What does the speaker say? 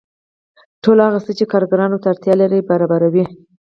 ټول هغه څه چې کارګران ورته اړتیا لري برابروي